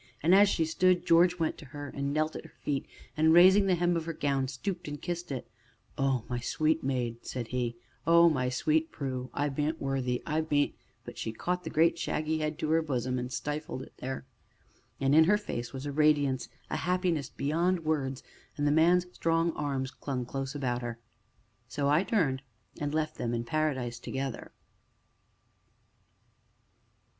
And, as she stood, George went to her, and knelt at her feet, and raising the hem of her gown, stooped and kissed it. "Oh, my sweet maid!" said he. "Oh, my sweet Prue! I bean't worthy I bean't " But she caught the great shaggy head to her bosom and stifled it there. And in her face was a radiance a happiness beyond words, and the man's strong arms clung close about her. So I turned, and left them in paradise together.